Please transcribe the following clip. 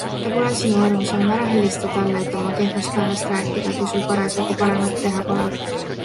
Ta pole sinu armsam, ära helista talle, et oma kehvast päevast rääkida, kui sul parasjagu paremat teha pole.